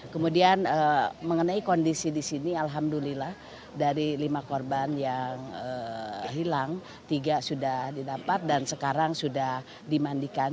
kemudian mengenai kondisi di sini alhamdulillah dari lima korban yang hilang tiga sudah didapat dan sekarang sudah dimandikan